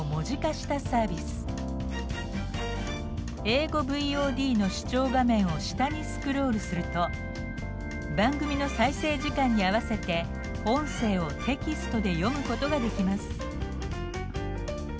英語ＶＯＤの視聴画面を下にスクロールすると番組の再生時間に合わせて音声をテキストで読むことができます。